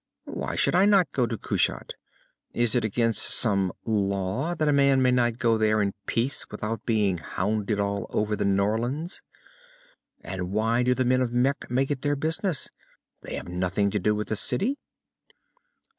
"Why should I not go to Kushat? Is it against some law, that a man may not go there in peace without being hounded all over the Norlands? And why do the men of Mekh make it their business? They have nothing to do with the city."